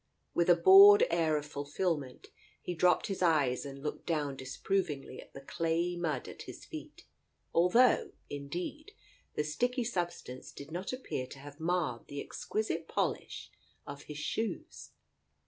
With a bored air of fulfilment, he dropped his eyes and looked down disapprovingly at the clayey mud at his feet, although, indeed, the sticky substance did not appear to have marred the exquisite polish of his shoes.